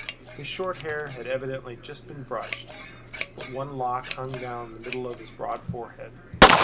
His short hair had evidently just been brushed, but one lock hung down in the middle of his broad forehead.